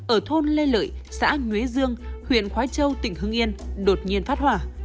ở thôn lê lợi xã nhuế dương huyện khói châu tỉnh hưng yên đột nhiên phát hỏa